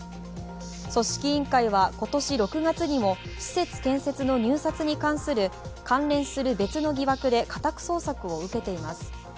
組織委員会は今年６月にも施設建設の入札に関連する別の疑惑で家宅捜索を受けています。